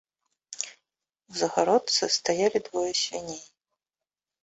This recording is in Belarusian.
У загародцы стаяла двое свіней.